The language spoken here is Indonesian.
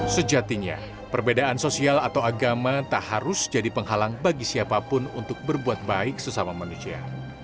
sejatinya perbedaan sosial atau agama tak harus jadi penghalang bagi siapapun untuk berbuat baik sesama manusia